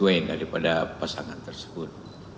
yang lebih baik daripada pasangan tersebut